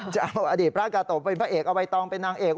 จะเอาอดีตพระกาโตเป็นพระเอกเอาใบตองเป็นนางเอก